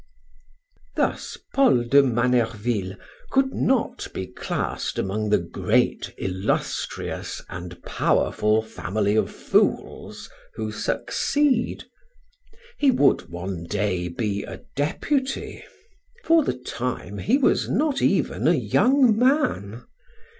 Thus Paul de Manerville could not be classed amongst the great, illustrious, and powerful family of fools who succeed. He would one day be a deputy. For the time he was not even a young man.